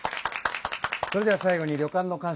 それでは最後に旅館のかん